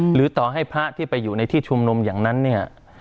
หรือต่อให้พระที่ไปอยู่ในที่ชุมนุมอย่างนั้นเนี่ย